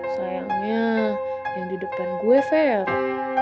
sayangnya yang di depan gue sel